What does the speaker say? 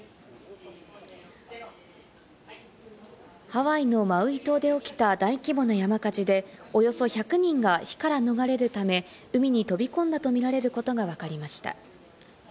ハワイのマウイ島で起きた大規模な山火事でおよそ１００人が火から逃れるため、海に飛び込んだとみられることがわかりました。